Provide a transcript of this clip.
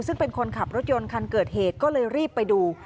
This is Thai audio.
ซึ่งเป็นคนขับรถยนต์คันเกิดเหตุก็เลยรีบไปดู